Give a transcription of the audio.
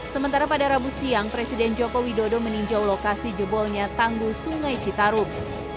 sementara pada rabu siang presiden jokowi dodo meninjau lokasi jebolnya tanggul sungai citarung